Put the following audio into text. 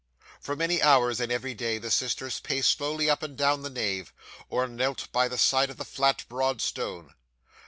'For many hours in every day, the sisters paced slowly up and down the nave, or knelt by the side of the flat broad stone.